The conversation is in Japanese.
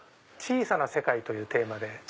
小さな世界というテーマで。